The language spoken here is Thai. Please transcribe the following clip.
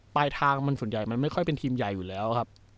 ปลายทางมันส่วนใหญ่มันไม่ค่อยเป็นทีมใหญ่อยู่แล้วครับ